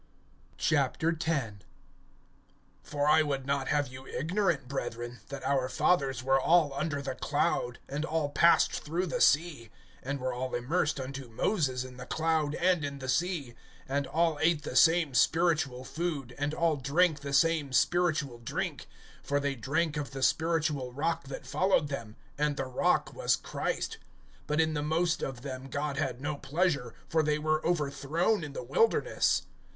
X. FOR I would not have you ignorant, brethren, that our fathers were all under the cloud, and all passed through the sea; (2)and were all immersed unto Moses in the cloud and in the sea; (3)and all ate the same spiritual food, (4)and all drank the same spiritual drink; for they drank of the spiritual rock that followed them, and the rock was Christ. (5)But in the most of them God had no pleasure; for they were overthrown in the wilderness.